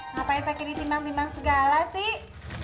ngapain pengen ditimbang timbang segala sih